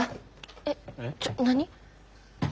えっちょ何？